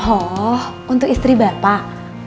oh untuk istri bapak